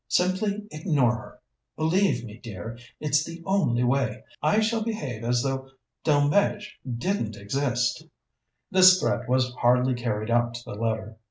Simply ignore her. Believe me, dear, it's the only way. I shall behave as though Delmege didn't exist." This threat was hardly carried out to the letter.